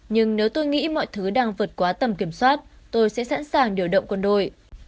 nhưng nếu tôi nghĩ mọi thứ đang vượt quá tầm kiểm soát tôi sẽ sẵn sàng điều động quân đội